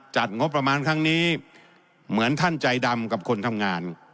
จัดงบประมาณครั้งนี้เหมือนท่านใจดำกับคนทำงาน